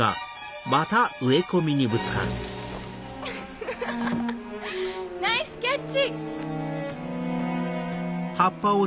フフフナイスキャッチ！